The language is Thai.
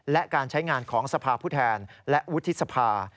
และการใช้งานของสภาพผู้แทนและวุฒิสภา